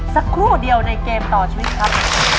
สักครู่เดียวในเกมต่อชีวิตครับ